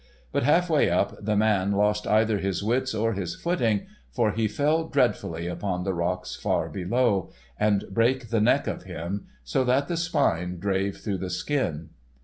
But halfway up the man lost either his wits or his footing, for he fell dreadfully upon the rocks far below, and brake the neck of him, so that the spine drave through the skin.